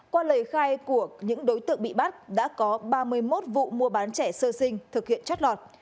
qua lời khai của những đối tượng bị bắt đã có ba mươi một vụ mua bán trẻ sơ sinh thực hiện trót lọt